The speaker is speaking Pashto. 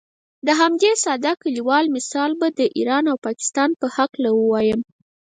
د همدې ساده کلیوال مثال به د ایران او پاکستان په هکله ووایم.